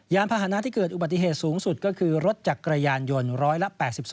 พาหนะที่เกิดอุบัติเหตุสูงสุดก็คือรถจักรยานยนต์ร้อยละ๘๒